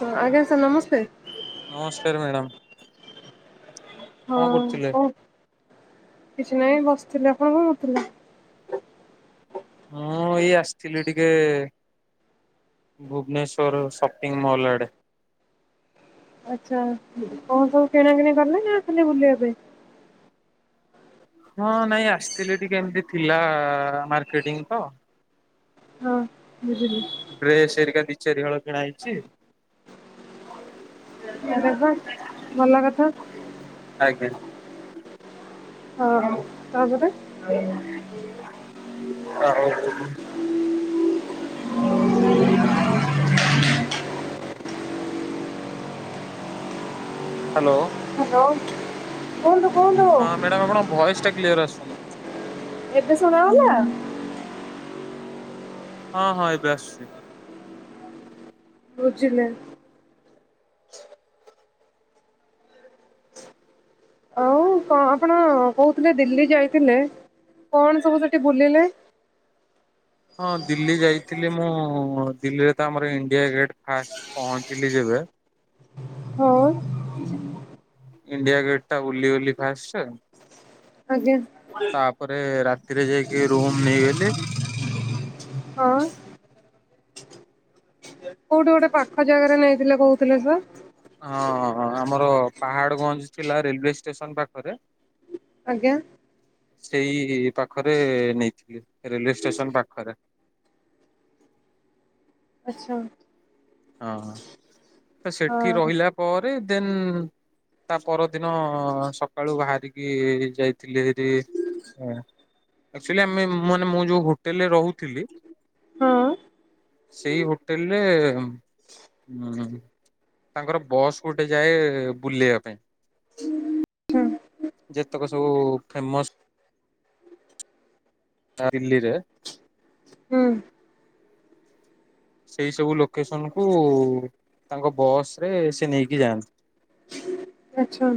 ହଁ ଆଜ୍ଞା ସାର୍ ନମସ୍ତେ। ନମସ୍କାର ମ୍ୟାଡ଼ାମ। ହଁ କଣ କରୁଥିଲେ? କୁହ କିଛି ନାହିଁ ବସିଥିଲି ଆପଣ କଣ କରୁଥିଲେ। ମୁଁ ଏଇ ଆସିଥିଲି ଟିକେ ଭୁବନେଶ୍ଵର ସପିଂ ମଲ୍ ଆଡ଼େ। ଆଚ୍ଛା କଣ ସବୁ କିଣା କିିଣି କଲେ ନା ଖାଲି ବୁଲିବା ପାଇଁ? ହଁ ନାଇଁ ଆସିଥିଲି ଟିକେ ଏମତି ଥିଲା ମାର୍କେଟିଂ ତ। ହଁ ବୁଝିଲି। ଡ୍ରେସ ଏରିକା ଦି ଚାରି ହଳ କିଣା ହେଇଛି। ଆରେ ବା ଭଲ କଥା। ଆଜ୍ଞା। ହଁ ତାପରେ ହଁ ହଉ ହଉ। ହୁଁ। ହ୍ୟାଲୋ। ହ୍ୟାଲୋ। କୁହନ୍ତୁ କୁହନ୍ତୁ। ହଁ ମ୍ୟାଡାମ ଆପଣଙ୍କ ଭଏସ ଟା କ୍ଲିୟର ଆସୁନି। ଏବେ ଶୁଣା ଗଲା? ହଁ ହଁ ଏବେ ଆସୁଛି। ବୁଝିଲେ। ମୁଁ କଣ ଆପଣ କହୁଥିଲେ ଦିଲ୍ଲୀ ଯାଇଥିଲେ କଣ ସବୁ ସେଠି ବୁଲିଲେ? ହଁ ଦିଲ୍ଲୀ ଯାଇଥିଲି ମୁଁ ଦିଲ୍ଲୀରେ ତ ଆମର ଇଣ୍ଡିଆ ଗେଟ୍ ଫାଷ୍ଟ ପହଞ୍ଚିଲି ଯେବେ ହଁ। ଇଣ୍ଡିଆ ଗେଟ୍ ଟା ବୁଲି ଗଲି ଫାଷ୍ଟ। ଆଜ୍ଞା ତାପରେ ରାତିରେ ଯାଇକି ରୁମ ନେଇଗଲି। ହଁ। କୋଉଠି ଗୋଟେ ପାଖ ଜାଗାରେ ନେଇଥିଲେ କହୁଥିଲେ ପା। ହଁ ଆମର ପାହାଡ ଗଞ୍ଜ ଥିଲା ରେଲୱେ ଷ୍ଟେସନ ପାଖରେ। ଆଜ୍ଞା। ସେଇ ପାଖରେ ନେଇଥିଲି ରେଲୱେ ଷ୍ଟେସନ ପାଖରେ। ଆଚ୍ଛା। ହଁ ହଁ ତ ସେଠି ହଁ। ରହିଲା ପରେ ଦେନ୍ ତା ପରଦିନ ସକାଳୁ ବାହାରିକି ଯାଇଥିଲି ରେ ଆକ୍ଚୁଲି ମାନେ ମୁଁ ଯୋଉ ହୋଟେଲରେ ରହୁଥିଲି ହଁ। ସେଇ ହୋଟେଲ୍ ରେ ହୁଁ ତାଙ୍କର ବସ୍ ଗୋଟେ ଯାଏ ବୁଲେଇବା ପାଇଁ। ହୁଁ ଯେତେକ ସବୁ ଫେମସ [unintelligible] ହୁଁ ସେଇ ସବୁ ଲୋକେସନ କୁ ତାଙ୍କ ବସ ରେ ସେ ନେଇକି ଯାଆନ୍ତି। ଆଛା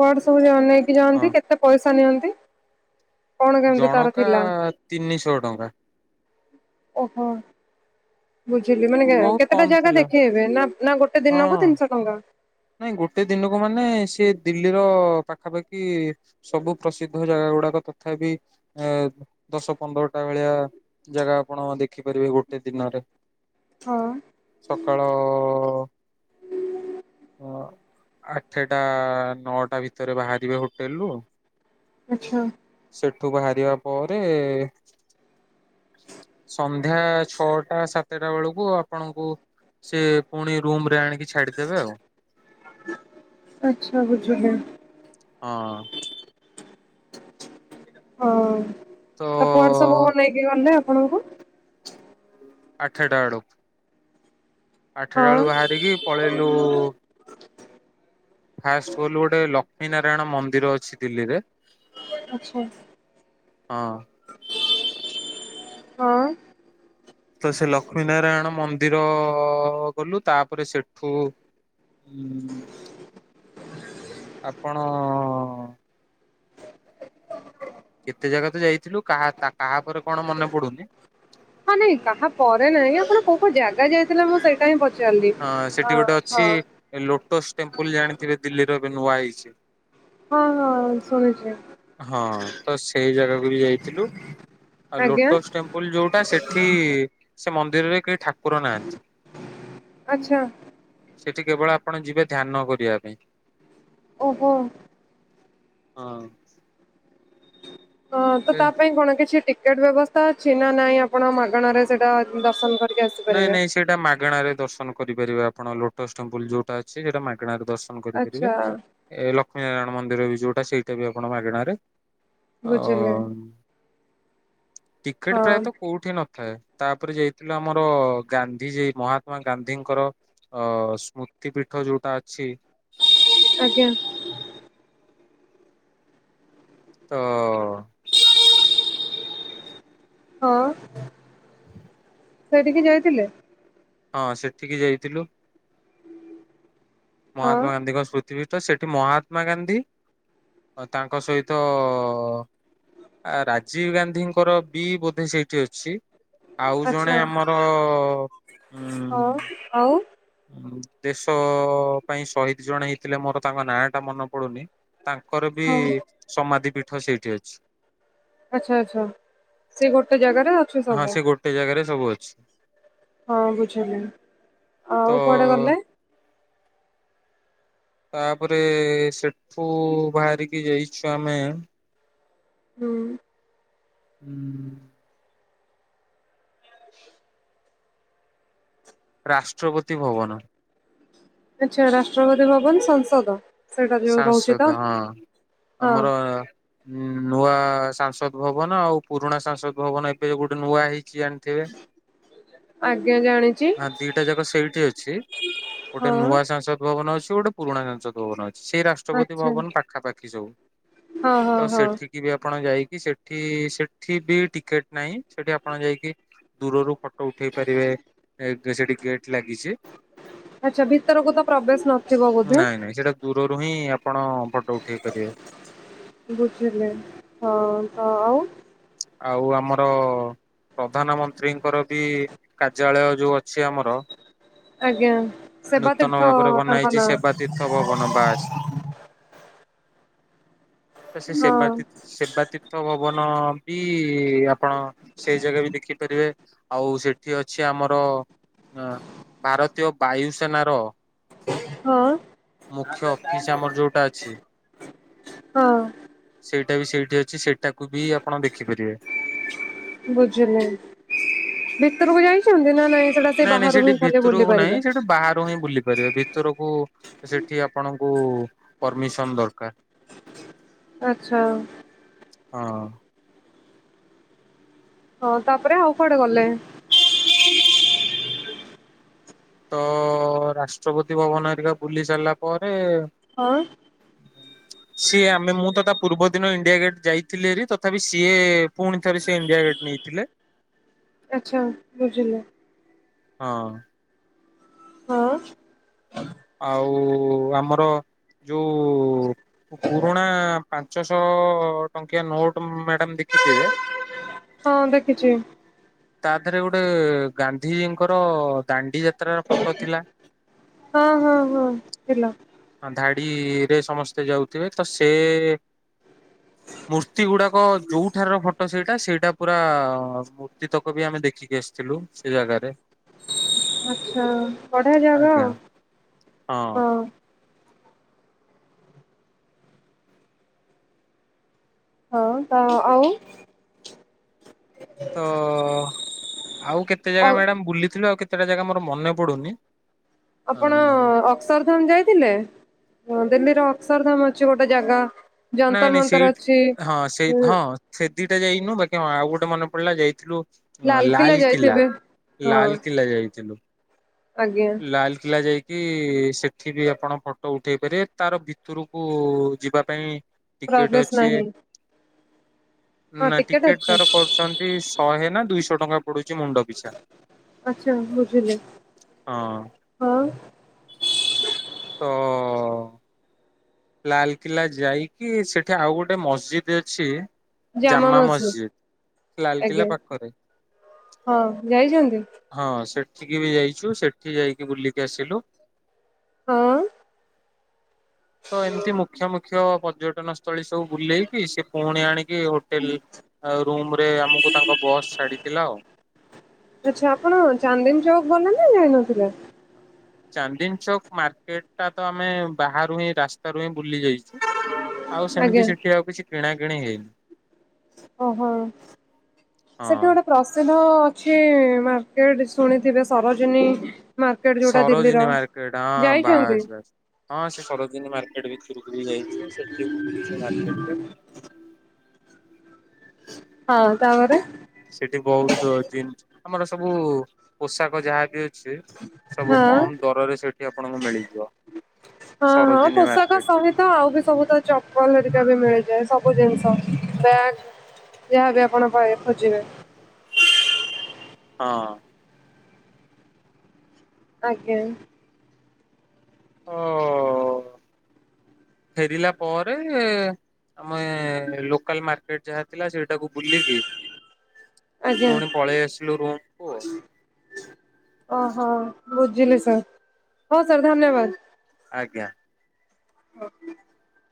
କୁଆଡ଼େ ସବୁ ନେଇକି ହଁ। ଯାଆନ୍ତି କେତେ ପଇସା ନିଅନ୍ତି? କଣ କେମିତି ତାର ଜଣକା ଥିଲା? ତିନିଶହ ଟଙ୍କା। ଓହୋ ବୁଝିଲି ମାନେ ବହୁତ କେତେଟା କମ ଜାଗା ଥିଲା ଦେଖେଇବେ ନା ନା ଗୋଟେ? ଦିନକୁ ହଁ। ତିନିଶହ ଟଙ୍କା? ନାଇଁ ଗୋଟେ ଦିନକୁ ମାନେ ସିଏ ଦିଲ୍ଲୀର ପାଖାପାଖି। ସବୁ ପ୍ରସିଦ୍ଧ ଜାଗା ଗୁଡାକ ତଥାପି ଏ ଦଶ ପନ୍ଦରଟା ଭଳିଆ ଜାଗା ଆପଣ ଦେଖିପାରିବେ ଗୋଟେ ଦିନରେ। ହଁ। ସକାଳ ଅ ଆଠେଟା ନଅଟା ଭିତରେ ବାହାରିବେ ହୋଟେଲ୍ ରୁୁ। ଆଚ୍ଛା। ସେଠୁ ବାହାରିବା ପରେ ସନ୍ଧ୍ୟା ଛଅଟା ସାତେଟା ବେଳୁକୁ ଆପଣଙ୍କୁ ସେ ପୁଣି ରୁମ୍ ରେ ଆଣିକି ଛାଡିଦେବେ ଆଉ। ଆଚ୍ଛା ବୁଝୁଲି। ହଁ। ହଁ ତ କୁଆଡେ ସବୁ ନେଇକି ଗଲେ ଆପଣଙ୍କୁ? ଆଠେଟା [unintelligible] ଆଠେଟା ହଁ ବେଳୁ ବାହାରିକି ପଳେଇଲୁ ଫାଷ୍ଟ ଗଲୁ ଗୋଟେ ଲକ୍ଷ୍ମୀ ନାରାୟଣ ମନ୍ଦିର ଅଛି ଦିଲ୍ଲୀରେ। ଆଚ୍ଛା। ହଁ। ହଁ। ତ ସେ ଲକ୍ଷ୍ମୀ ନାରାୟଣ ମନ୍ଦିର ଗଲୁ, ତାପରେ ସେଠୁ [inaudible] ଆପଣ କେତେ ଜାଗା ତ ଯାଇଥିଲୁ, କାହା ତା କାହା ପରେ କଣ ମନେ ପଡୁନି। ହଁ ନାଇଁ କାହା ପରେ ନାଇଁ ଆପଣ କୋଉ-କୋଉ ଜାଗା ଯାଇଥିଲେ ମୁଁ ସେଇଟା ହିଁ ପ ଚାର୍ଲି, ହଁ-ହଁ। ଏ ଲୋଟସ୍ ଟେମ୍ପୁଲ୍ ଜାଣିଥିବେ ଦିଲ୍ଲୀର ଏବେ ନୂଆ ହେଇଚି। ହଁ-ହଁ ଶୁଣିଚି। ହଁ ତ ସେଇ ଜାଗାକୁ ବି ଯାଇଥିଲୁ, ଆଉ ଆଜ୍ଞା ଲୋଟସ୍ ଟେମ୍ପ ପୁଲ୍ ଯୋଉଟା ସେଠି ସେ ମନ୍ଦିରରେ କେହି ଠାକୁର ନାହାନ୍ତି। ଆଚ୍ଛା। ସେଠି କେବଳ ଆପଣ ଯିବେ ଧ୍ୟାନ କରିବା ପାଇଁ। ଓହୋ। ହଁ। ହଁ ତ ସେ ତା ପାଇଁ କଣ କିଛି ଟିକେଟ୍ ବ୍ୟବସ୍ଥା ଅଛି, ନା ନାଇଁ ଆପଣ ମାଗଣାରେ ସେଟା ଦର୍ଶନ କ ନାଇଁ-ନାଇଁ ସେଇଟା ମାଗେଣାରେ ଦର୍ଶନ କରିପାରିବେ ଆପଣ ଲୋଟସ୍ ଟେମ୍ପୁଲ୍ ଯୋଉଟା ଅଛି, ସେଇଟା ମାଗେଣାରେ ଦ ର୍ଶନ୍ କରିପାରିବେ, ଆଚ୍ଛା ଏ ଲକ୍ଷ୍ମୀ ନାରାୟଣ ମନ୍ଦିର ବି ଯୋଉଟା ସେଇଟା ବି ଆପଣ ମାଗେଣାରେ ବୁଝିଲି ଆଉ [unintelligible] ହଁ ପ୍ରାୟତଃ କୋଉଠି ନଥାଏ, ତାପରେ ଯାଇଥିଲୁ ଆମ ର ଗାନ୍ଧୀଜି ମହାତ୍ମା ଗାନ୍ଧୀଙ୍କର ଅ ସ୍ମୃତି ପୀଠ ଯୋଉଟା ଅଛି ଆଜ୍ଞା। ତ ହଁ। [inaudible] ସେଇଠିକି ଯାଇଥିଲେ? ହଁ ସେଠିକି ଯାଇଥିଲୁ। ହଁ ମହାତ୍ମା ଗାନ୍ଧୀଙ୍କ ସ୍ମୃତିପୀଠ, ସେଠି ମହାତ୍ମା ଗାନ୍ଧୀ ତାଙ୍କ ସହିତ ଆ ରାଜୀବ ଗାନ୍ଧୀଙ୍କର ବି ବୋଧେ ସେଇଠି ଅଛି? ଆଉ ଆଚ୍ଛା ଜଣେ ଆମର ଉ ହଁ ଆଉ? ଦେଶ ପାଇଁ ସହିଦ ଜଣେ ହେଇଥିଲେ ମୋର ତାଙ୍କ ନାଁ ଟା ମନେ ପଡୁନି। ତାଙ୍କର ବି ହଁ। ସମାଧି ପୀଠ ସେଇଠି ଅଛି। ଆଚ୍ଛା ଆଚ୍ଛା ସେ ଗୋଟେ ଜାଗାରେ ଅଛି ହଁ ସବୁ। ସେ ଗୋଟେ ଜାଗାରେ ସବୁ ଅଛି। ହଁ ବୁଝିଲି ତ ଆଉ କୁଆଡେ ଗଲେ? ତାପରେ ସେଠୁ ବାହାରିକି ଯାଇଛୁ ଆମେ ହୁଁ। ହୁଁ। [inaudible] ରାଷ୍ଟ୍ରପତି ଭବନ। ଆଚ୍ଛା ରାଷ୍ଟ୍ରପତି ଭବନ ସଂସଦ। ସେଇଟା ଯୋଉ ରହୁଛି ତ? ସାଂସଦ ହଁ ହଁ ଆମର ହଁ ନୂଆ ସାଂସଦ ଭବନ ଆଉ ପୁରୁଣା ସାଂସଦ ଭବନ ଏବେ ଗୋଟେ ନୂଆ ହେଇଚି ଜାଣିଥିବେ? ଆଜ୍ଞା ଜାଣିଚି। ହଁ ଦିଟା ଯାକ ସେଇଠି ଅଛି ଗୋଟେ ହଁ ନୂଆ ସାଂସଦ ଭବନ ଅଛି ଗୋଟେ ପୁରୁଣା ସାଂସଦ ଭବନ ଅଛି ସେଇ ରାଷ୍ଟ ରାଷ୍ଟ୍ରପତି ଆଚ୍ଛା ଭବନ ପାଖାପାଖି ସବୁ ହଁ ହଁ ତ ହଁ। ସେଠିକ ବି ଆପଣ ଯାଇକି ସେଠି ସେଠି ବି ଟିକେଟ ନାହିଁ ସେଠି ଆପଣ ଯାଇକି ଦୂରରୁ ଫଟୋ ଉଠେଇ ପାରିବେ। ଏ କେ ସେଠି ଗେଟ୍ ଲାଗିଚି। ଆଚ୍ଛା ଭିତରକୁ ତ ପ୍ରବେଶ ନଥିବ ବୋଧେ? ନାଇଁ ନାଇଁ ସେଟା ଦୂରରୁ ହିଁ ଆପଣ ଫଟୋ ଉଠେଇ ପାରିବେ। ବୁଝିଲି ହଁ ତ ଆଉ? ଆଉ ଆମର ପ୍ରଧାନମନ୍ତ୍ରୀଙ୍କର ବି କାର୍ଯ୍ୟାଳୟ ଯୋଉ ଅଛି ଆମର ଆଜ୍ଞା ସେବା ତୀର୍ଥ ନୂତନ ଭାବରେ ବନା ତାଙ୍କ ହେଛି ନାଁ ସେବା ତୀର୍ଥ ଭବନ ବାସ ତ ସେ ସେବା ହଁ ସେବାତୀର୍ଥ ଭବନ ବି ଆପଣ ସେଇ ଜାଗା ବି ଦେଖିପାରିବେ ଆଉ ସେଠି ଅଛି ଆମର ହାଁ ଭାରତୀୟ ବାୟୁସେନାର ହଁ। ମୁଖ୍ୟ ଅଫିସ ଆମର ଯୋଉଟା ଅଛି ହଁ ସେଇଟା ବି ସେଇଠି ଅଛି ସେଇଟାକୁ ବି ଆପଣ ଦେଖିପାରିବେ। ବୁଝିଲି। ଭିତରକୁ ଯାଇଚନ୍ତି ନା ନାଇଁ? ସେଟା ସେଇ ନାଇଁ ନାଇଁ ବାହାରୁ ସେଠି ହିଁ ଖାଲି ବୁଲି ଭିତରକୁ ପାରିବେ ନାହିଁ ସେଠି ବାହାରୁ ହିଁ ବୁଲି ପାରିବେ। ଭିତ ଭିତରକୁ ସେଠି ଆପଣଙ୍କୁ ପରମିସନ ଦରକାର। ଆଚ୍ଛା। ହଁ। ହଁ ତାପରେ ଆଉ କୁଆଡେ ଗଲେ? ତ ରାଷ୍ଟ୍ରପତି ଭବନ ହେରିକା ବୁଲି ସାରିଲା ପରେ ହଁ। ସିଏ ଆମେ ମୁଁ ତ ତା ପୂର୍ବ ଦିନ ଇଣ୍ଡିଆ ଗେଟ ଯାଇଥିଲି ହାରି। ତଥାପି ସିଏ ପୁଣି ଥରେ ସ ଇଣ୍ଡିଆ ଗେଟ୍ ନେଇଥିଲେ ଆଛା ହୋଉ ବୁଝିଲି। ହଁ। ହଁ। ଆଉ ଆମର ଯୋଉ ପୁରୁଣା ପାଞ୍ଚଶହ ଟଙ୍କିଆ ନୋଟ ମ୍ୟାଡ଼ାାମ ଦେଖିଥିବେ? ହଁ ଦେଖିଚି। ତା ଦେହରେ ଗୋଟେ ଗାନ୍ଧିଜୀଙ୍କର ଦାଣ୍ଡି ଯାତ୍ରାର ଫଟୋ ଥିଲା। ହଁ ହଁ ହଁ। ଥିଲା। ଧାଡିରେ ସମସ୍ତେ ଯାଉଥିବେ ତ ସେ ମୂର୍ତ୍ତି ଗୁଡାକ ଯୋଉଠାର ର ଫଟୋ ସେଇଟା ସେଇଟା ପୁରା କୁର୍ତ୍ତିତକ ବି ଆମେ ଦେଖିକି ଆସିଥିଲୁ ସେ ଜାଗାରେ। ଆଛା ବଢିଆ ଜାଗ ଆଜ୍ଞା ଆଉ ହଁ। ହୋଉ ତ ଆଉ ତ ଆଉ କେତେ ଜାଗା ଆଉ ମ୍ୟାଡାାମ ବୁଲିଥିଲୁ ଆଉ କେତେଟା ଜାଗା ମୋର ମନେ ପଡୁନି। ଆପଣ ହଁ। ଅକ୍ଷରଧାମ ଯାଇଥିଲେ ଦିଲ୍ଲୀର ଅକ୍ଷରଧାମ ଅଛି ଗୋଟେ ଜାଗା? ନାଇଁ ଯନ୍ତର ନାଇଁ ସେଇ ମନ୍ତର ଅଛି ହଁ ସେଇ ଉ ହଁ ସେ ଦିଇଟା ଯାଇନୁ ବାକି ହଁ ଆଉ ଗୋଟେ ମେନେ ପଡିଲା ଯାଇଥିଲୁ ଲାଲକିଲ୍ଲା ଲାଲକିଲା ଯାଇଥିବେ ହଁ ଲାଲକିଲା ଯାଇଥିଲୁ। ଆଜ୍ଞା। ଲାକିଲ୍ଲା ଯାଇକି ସେଠି ବି ଆପଣ ଫଟୋ ଉଠାଇ ପାରିବେ ତାର ଭିତରକୁ ଯିବା ପି ପ୍ରବେଶ ନାହିଁ। ହଁ ନା ଟିକେଟ ଅଛି ତାର କରୁଚନ୍ତି ଶହେ ନା ଦୁଇଶହ ଟଙ୍କା ପଡୁଛି ମୁଣ୍ଡ ପିଛା। ଆଛା ବୁଝିଲି। ହଁ ହଁ। ତ ଲାଲକିଲ୍ଲା ଯାଇକି ସେଠି ଆଉ ଗୋଟେ ମସ୍ଜିଦ୍ ଅଛି ଜାମା ମସଜିଦ୍ ଲାଲକିଲ୍ଲା ଆଜ୍ଞା ପାଖରେ। ହଁ ଯାଇଛନ୍ତି ହଁ ସେଠିକି ବି ଯାଇଛୁ ସେଠି ଯାଇକି ବୁଲିକି ଆସିଲୁ। ହଁ। ତ ଏମିତି ମୁଖ୍ୟ ମୁଖ୍ୟ ପର୍ଯ୍ୟଟନ ସ୍ଥଳୀ ସବୁ ବୁଲେଇକି ସେ ପୁଣି ଆଣିକି ହୋଟେଲ ଆଉ ରୁମରେ ଆମକୁ ତାଙ୍କ ବସ୍ ଛାଡିଦେଲା ଆଉ। ଆଛା ଆପଣ ଚାନ୍ଦିନ ଚୌକ ଗଲେ ନା ଯାଇନଥିଲେ? ଚାନ୍ଦିନ ଚକ ମାର୍କେଟ ଟା ତ ଆମେ ବାହାରୁ ହିଁ ରାସ୍ତାରୁ ହିଁ ବୁଲି ଯାଇଛୁ। ଆଉ ସେମିତି ଆଜ୍ଞା ସେଠି ଆଉ କିଛି କିଣା କିିଣି ହେଇନି। ଓହୋ ସେଠି ହଁ। ଗୋଟେ ପ୍ରସିଦ୍ଧ ଅଛି ମାର୍କେଟ ଶୁଣିଥିବେ ସରୋଜିନୀ ମାର୍କେଟ ଯୋଉଟା ଦିଲ୍ଲୀର ସରୋଜିନୀ ମାର୍କେଟ ହଁ ଯାଇଛନ୍ତି? ବାସ୍ ବାସ୍ ହଁ ସେ ସରୋଜ ସରୋଜିନୀ ମାର୍କେଟ ଭିତରକୁ ଯାଇଚି ସେଠି ବି ବୁଲିଚୁ ମାର୍କେଟ ରେ। ହଁ ତାପରେ ସେଠି ବିହୁତ ଜିନିଷ ଆମର ସବୁ ପୋଷାକ ଯାହାବି ଅଛି ସିଏ ସବୁ ହଁ କମ ଦରରେ ସେଠି ଆପଣଙ୍କୁ ମିଳିଯିବ। ହଁ ହଁ ସରୋଜିନୀ ପୋଷାକ ମାର୍କେଟରେ ସବୁ ତ ଆଉ ବି ସବୁ ତ ଚପଲ ହରିକା ବି ମିଳିଯାଏ ସବୁ ଜିନିଷ ବ୍ୟାଗ ଯାହାବି ଆପଣ ବହି ଖୋଜିବେ ହଁ ଆଜ୍ଞା ହ ଫେରିଲା ପରେ ଆମେ ଲୋକାଲ ମାର୍କେ ସେଇଠି ଯାହା ଥିଲା ସେଇଟାକୁ ବୁଲିକି ଆଜ୍ଞା ପୁଣି ପଳେଇ ଆସିଲୁ ରୁମକୁ ଓହୋ ବୁଝିଲି ସାର୍। ହଁ ସାର୍ ଧନ୍ୟବାଦ। ଆଜ୍ଞା। [unintelligible]